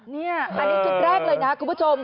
นี่อันนี้คลิปแรกเลยนะคุณผู้ชม